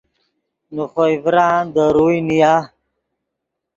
نے خوئے ڤران دے روئے نیا